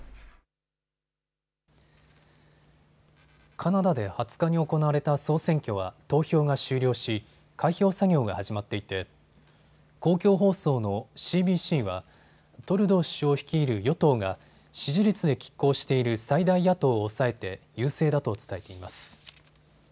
カナダで２０日に行われた総選挙は投票が終了し、開票作業が始まっていて公共放送のＣＢＣはトルドー首相率いる与党が支持率できっ抗している最大野党を抑えて優勢だと伝えています。